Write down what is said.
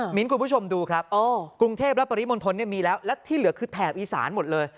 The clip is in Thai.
คุณผู้ชมดูครับกรุงเทพและปริมณฑลมีแล้วและที่เหลือคือแถบอีสานหมดเลย